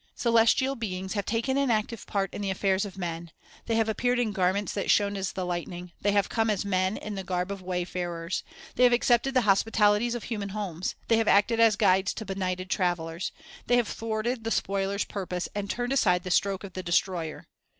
Celestial beings have taken an active part in the affairs of men. They have appeared in garments that shone as the lightning; they have come as men, in the garb of wayfarers. They have accepted the hospitalities of human homes; they have acted as guides to benighted The Great Controversy 1 Isa. 65 :2i, 22. 2Isa. 65:25. The School of the Hereafter 305 travelers. They have thwarted the spoiler's purpose, and turned aside the stroke of the destroyer.